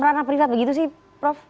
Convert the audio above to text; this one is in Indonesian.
ranah privat begitu sih prof